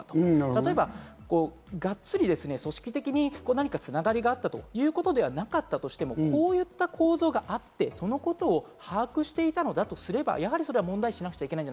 例えばガッツリ、組織的に何か繋がりがあったということではなかったとしても、こういった構造があって、そのことを把握していたのだとすれば、やはり、それは問題視しなくちゃいけない。